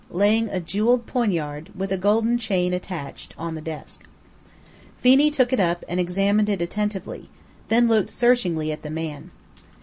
laying a jeweled poignard, with a golden chain attached, on the desk. Phenee took it up and examined it attentively, then looked searchingly at the man.